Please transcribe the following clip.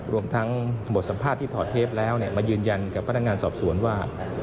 รวมทั้งบทสัมภาษณ์ที่ถอดเทปแล้วมายืนยันกับพนักงานสอบสวนว่า